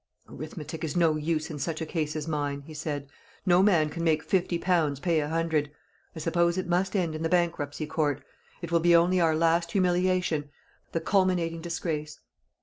"Arithmetic is no use in such a case as mine," he said; "no man can make fifty pounds pay a hundred. I suppose it must end in the bankruptcy court. It will be only our last humiliation, the culminating disgrace."